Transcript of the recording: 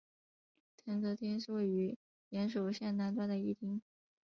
藤泽町是位于岩手县南端的一町。